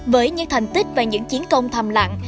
với những thành tích và những chiến công thầm lặng